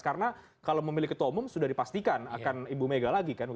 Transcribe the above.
karena kalau memilih ketua umum sudah dipastikan akan ibu mega lagi kan